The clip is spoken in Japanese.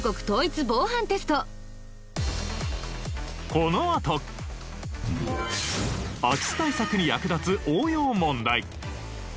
このあと空き巣対策に役立つ応用問題。